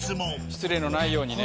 失礼のないようにね。